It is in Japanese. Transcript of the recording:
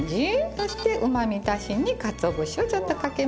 そしてうまみ足しにかつお節をちょっとかけます。